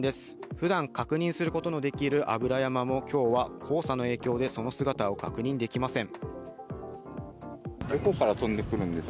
普段、確認することができる油山も今日は黄砂の影響でその姿を確認できません。